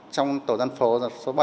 trong tổ dân phố số bảy